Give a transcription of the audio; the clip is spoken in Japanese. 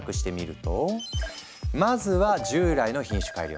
まずは従来の品種改良。